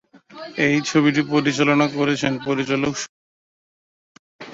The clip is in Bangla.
এই ছবিটি পরিচালনা করেছেন পরিচালক সুজিত গুহ।